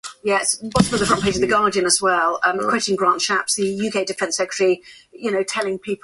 The music was composed by Sandeep Chowta.